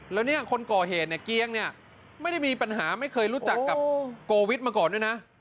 แล้วเนี่ยคนก่อเหตุเนี่ยเกียงเนี่ยไม่ได้มีปัญหาไม่เคยรู้จักกับโกวิทมาก่อนด้วยนะ